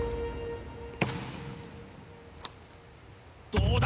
どうだ？